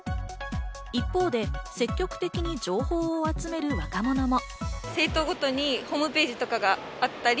一方で積極的に情報を集める若者も。